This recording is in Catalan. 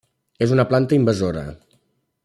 És una planta invasora.